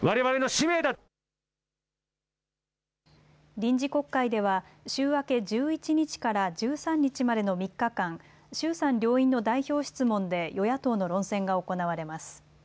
臨時国会では週明け１１日から１３日までの３日間、衆参両院の代表質問で与野党の論戦が行われます。